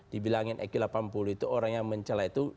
dibilangin eq delapan puluh itu orang yang mencelah itu